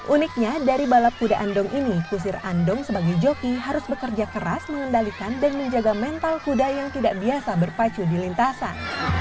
uniknya dari balap kuda andong ini kusir andong sebagai joki harus bekerja keras mengendalikan dan menjaga mental kuda yang tidak biasa berpacu di lintasan